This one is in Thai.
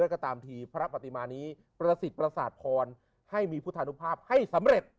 ก็ตามทีพระปฏิมานี้ประสิทธิ์ประสาทพรให้มีพุทธานุภาพให้สำเร็จ